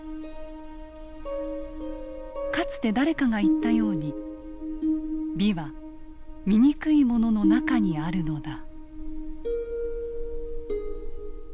「かつて誰かが言ったように美は醜いものの中にあるのだ」。